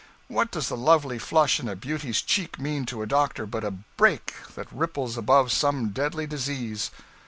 What does the lovely flush in a beauty's cheek mean to a doctor but a 'break' that ripples above some deadly disease.